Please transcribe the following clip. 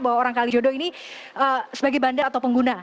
bahwa orang kalijodo ini sebagai bandar atau pengguna